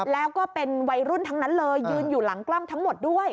แล้วก็เป็นวัยรุ่นทั้งนั้นเลยยืนอยู่หลังกล้องทั้งหมดด้วย